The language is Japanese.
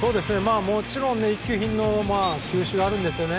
もちろん、一級品の球種があるんですよね。